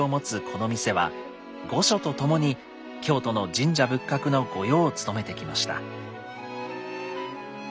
この店は御所とともに京都の神社仏閣の御用を務めてきました。